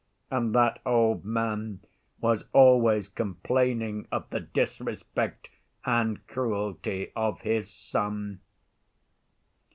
And that old man was always complaining of the disrespect and cruelty of his son.